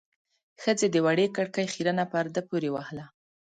ښځې د وړې کړکۍ خيرنه پرده پورې وهله.